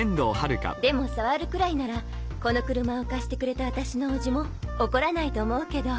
でも触るくらいならこの車を貸してくれた私の伯父も怒らないと思うけど。